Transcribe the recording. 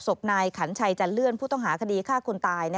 ศพนายขันชัยจันเลื่อนผู้ต้องหาคดีฆ่าคนตาย